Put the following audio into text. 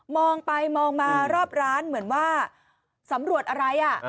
มองไปมองมารอบร้านเหมือนว่าสำรวจอะไรอ่ะ